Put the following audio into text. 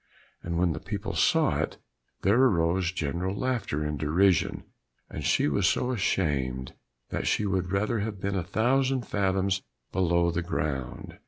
And when the people saw it, there arose general laughter and derision, and she was so ashamed that she would rather have been a thousand fathoms below the ground.